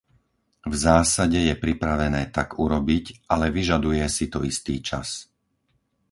V zásade je pripravené tak urobiť, ale vyžaduje si to istý čas.